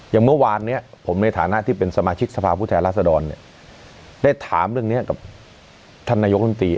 อย่างเมื่อวานเนี่ยผมในฐานะที่เป็นสมาชิกสภาพผู้แทนราษฎรได้ถามเรื่องนี้กับท่านนายกรมตรี